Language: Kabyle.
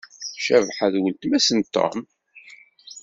Cabḥa d weltma-s n Tom.